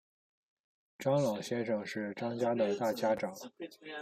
张老先生是张家的大家长